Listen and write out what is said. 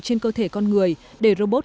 trên cơ thể con người để robot